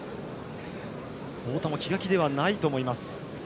太田も気が気ではないと思います。